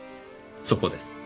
そこです。